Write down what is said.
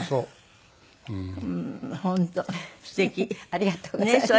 ありがとうございます。